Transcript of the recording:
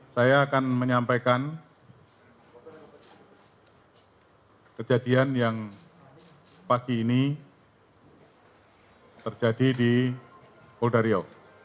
saya akan menyampaikan kejadian yang pagi ini terjadi di polda riau